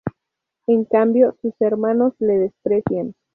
En cambio, sus hermanos le desprecian.